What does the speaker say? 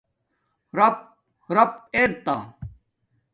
رَپ راپ ارتا